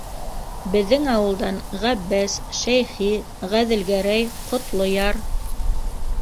Беҙҙең ауылдан Ғәббәс, Шәйхи, Ғәҙелгәрәй, Ҡотлояр.